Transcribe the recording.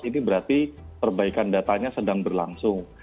ini berarti perbaikan datanya sedang berlangsung